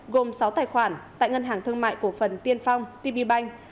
gồm sáu tài khoản tại ngân hàng thương mại cổ phần tiên phong tpbanh